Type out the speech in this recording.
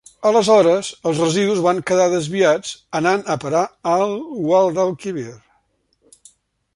Aleshores, els residus van quedar desviats anant a parar al Guadalquivir.